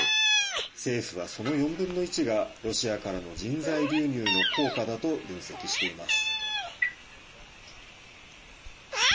政府はその４分の１がロシアからの人材流入の効果だと分析しています。